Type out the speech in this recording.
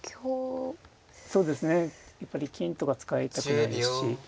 やっぱり金とか使いたくなるし。